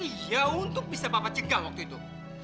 iya untuk bisa bapak cegah waktu itu